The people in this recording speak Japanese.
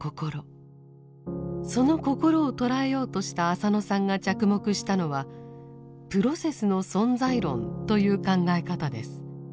その心を捉えようとした浅野さんが着目したのは「プロセスの存在論」という考え方です。